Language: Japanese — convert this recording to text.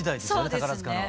宝塚の。